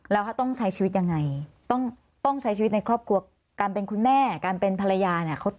แล้วต้องใช้ชีวิตยังไงต้องใช้ชีวิตในครอบครัวการเป็นคุณแม่การเป็นภรรยาเนี่ย